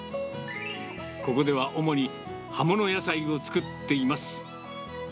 ここでは主に葉物野菜を作っています。